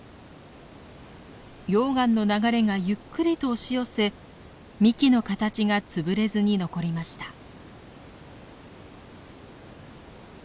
溶岩の流れがゆっくりと押し寄せ幹の形が潰れずに残りました。